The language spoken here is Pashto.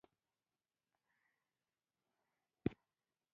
زړونه باید خوشحاله شي